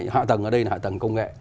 hạ tầng ở đây là hạ tầng công nghệ